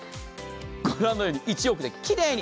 御覧のように１往復できれいに。